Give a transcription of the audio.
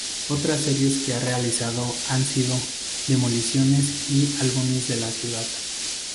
Otras series que ha realizado han sido "Demoliciones" y "Álbumes de la ciudad".